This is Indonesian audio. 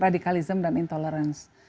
radikalisme dan intoleransi